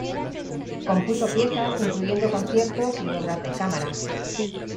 Compuso piezas, incluyendo conciertos y obras de cámara.